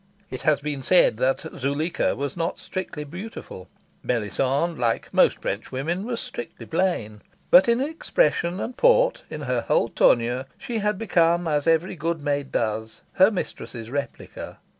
It has been said that Zuleika was not strictly beautiful. Melisande, like most Frenchwomen, was strictly plain. But in expression and port, in her whole tournure, she had become, as every good maid does, her mistress' replica.